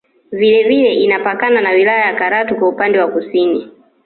Vile vile inapakana na wilaya ya Karatu kwa upande wa Kusini